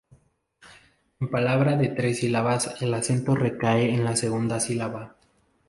En palabra de tres sílabas el acento recae en la segunda sílaba.